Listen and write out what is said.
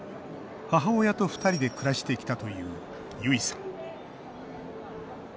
母親と２人で暮らしてきたというゆいさん。